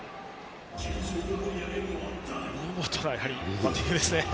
見事なバッティングですね。